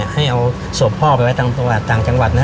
ให้เอาศพพ่อไปไว้ต่างจังหวัดนะ